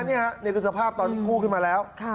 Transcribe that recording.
นี่คือสภาพตอนที่กู้ขึ้นมาแล้ว